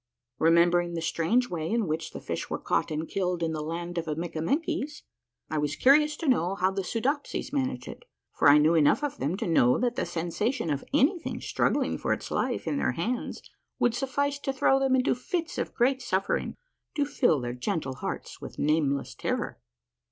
Remembering the strange way in which the fish were caught and killed in the Land of the Mikkamenkies, I was curious to know how the Soodopsies managed it, for I knew enough of them to know that the sensation of anything struggling for its life in their hands would suffice to throw them into fits of great suffer ing, to fill their gentle hearts with nameless terror.